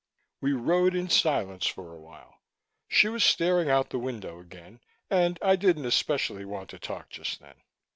We rode in silence for a while. She was staring out the window again, and I didn't especially want to talk just then.